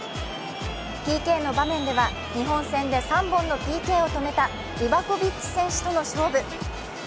ＰＫの場面では日本戦で３本のＰＫを決めたリバコビッチ選手との勝負。